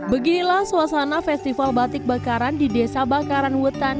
beginilah suasana festival batik bakaran di desa bakaran wetan